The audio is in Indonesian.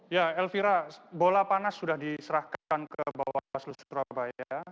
ya elvira bola panas sudah diserahkan ke bawah seluruh surabaya